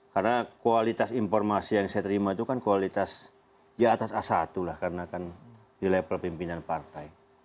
karena kualitas informasi yang saya terima itu kan kualitas di atas a satu lah karena kan di level pimpinan partai